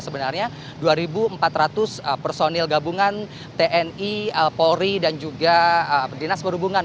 sebenarnya dua empat ratus personil gabungan tni polri dan juga dinas perhubungan